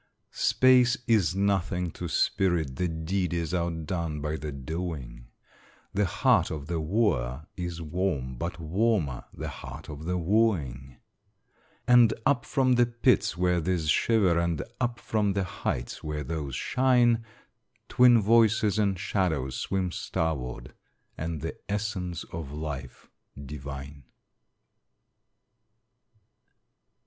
Space is nothing to spirit; the deed is outdone by the doing; The heart of the wooer is warm, but warmer the heart of the wooing; And up from the pits where these shiver and up from the heights where those shine, Twin voices and shadows swim starward, and the essence of life divine.